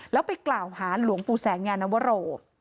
แล้วไปกล่าวหาหลวงปู่แสงยานวโร